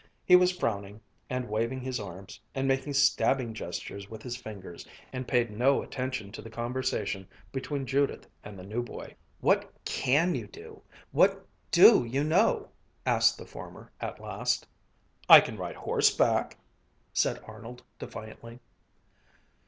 He was frowning and waving his arms, and making stabbing gestures with his fingers, and paid no attention to the conversation between Judith and the new boy. "What can you do? What do you know?" asked the former at last. "I can ride horseback," said Arnold defiantly.